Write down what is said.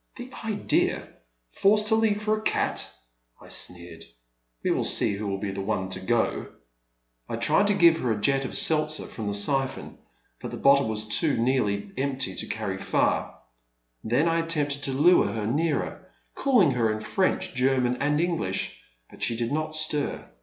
The idea ! forced to leave for a cat !" I sneered, we will see who will be the one to go !" I tried to give her a jet of seltzer from the siphon, but the bottle was too nearly empty to carry far. Then I attempted to lure her nearer, calling her in French, German, and English, but she did not stir.